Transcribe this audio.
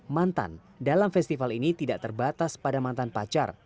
mantan dalam festival ini tidak terbatas pada mantan pacar